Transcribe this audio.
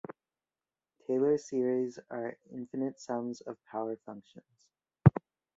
Taylor series are infinite sums of power functions.